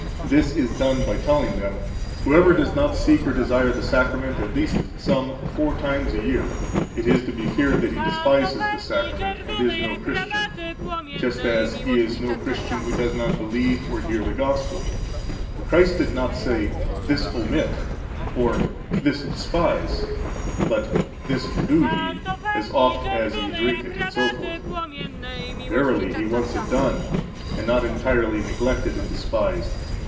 This is done by telling them: Whoever does not seek or desire the Sacrament at least some four times a year, it is to be feared that he despises the Sacrament and is no Christian, just as he is no Christian who does not believe or hear the Gospel; for Christ did not say, This omit, or, This despise, but, This do ye, as oft as ye drink it, etc. Verily, He wants it done, and not entirely neglected and despised.